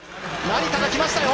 成田が来ましたよ。